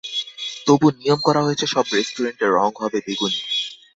তবু নিয়ম করা হয়েছে সব রেস্টুরেন্টের রঙ হবে বেগুনি।